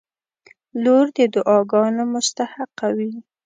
• لور د دعاګانو مستحقه وي.